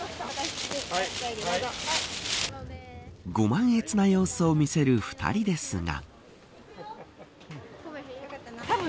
ご満悦な様子を見せる２人ですが。